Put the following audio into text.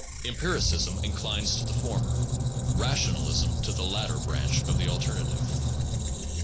Empiricism inclines to the former, rationalism to the latter branch of the alternative.